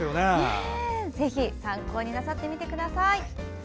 ぜひ参考になさってみてください。